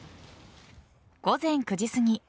午前９時すぎ